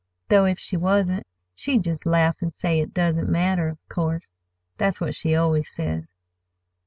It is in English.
Though if she wasn't, she'd just laugh an' say it doesn't matter, of course. That's what she always says."